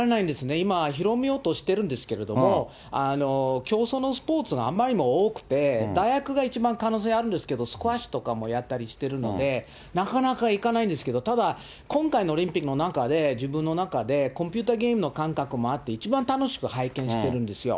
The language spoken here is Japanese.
今広めようとしているんですけれども、競走のスポーツがあまりにも多くて、大学が一番可能性あるんですけれども、スカッシュとかもやったりしてるので、なかなかいかないんですけれども、ただ、今回のオリンピックの中で、自分の中で、コンピューターゲームの感覚もあって、一番楽しく拝見してるんですよ。